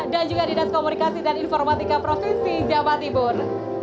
dan juga dinas komunikasi dan informatika provinsi jawa timur